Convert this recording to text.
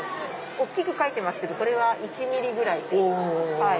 大きく描いてますけどこれは１ｍｍぐらいです。